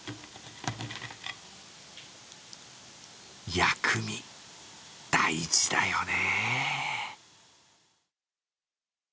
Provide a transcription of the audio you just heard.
薬味、大事だよね。